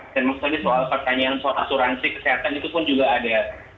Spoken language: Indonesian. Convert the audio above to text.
dan maksudnya soal pertanyaan asuransi kesehatan itu pun juga ada